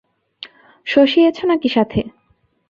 শশী এয়েছ নাকি সাথে?